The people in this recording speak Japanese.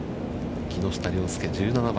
木下稜介、１７番。